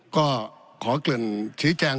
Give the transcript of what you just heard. ก็ขอเกริ่นชี้แจง